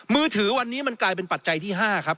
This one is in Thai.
มือถือวันนี้มันกลายเป็นปัจจัยที่๕ครับ